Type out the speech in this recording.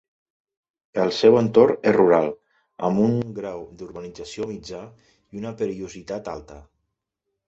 El seu entorn és rural, amb un grau d'urbanització mitjà i una perillositat alta.